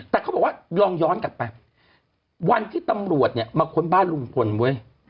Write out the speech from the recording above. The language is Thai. แต่เขาบอกว่าลองย้อนกลับไปวันที่ตำรวจเนี่ยมาค้นบ้านลุงพลเว้ย